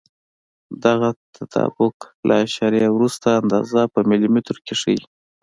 دغه تطابق له اعشاریه وروسته اندازه په ملي مترو کې ښیي.